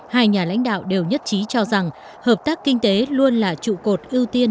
hai nhà lãnh đạo đều nhất trí cho rằng hợp tác kinh tế luôn là trụ cột ưu tiên